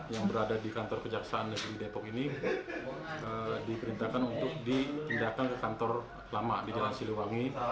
yang berada di kantor kejaksaan negeri depok ini diperintahkan untuk dipindahkan ke kantor lama di jalan siliwangi